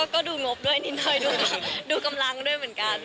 ก็ดูงบด้วยนิดหน่อยด้วยดูกำลังด้วยเหมือนกัน